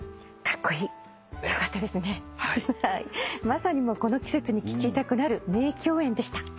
まさにこの季節に聴きたくなる名共演でした。